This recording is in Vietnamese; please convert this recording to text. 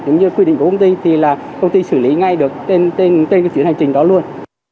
như quy định của công ty thì công ty xử lý ngay được trên chuyến hành trình đó luôn